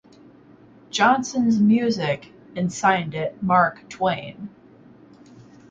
Johnson's; music" and signed it "Mark Twain".